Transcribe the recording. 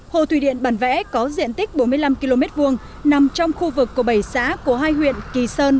hồ thủy điện bản vẽ có diện tích bốn mươi năm km hai nằm trong khu vực của bảy xã của hai huyện kỳ sơn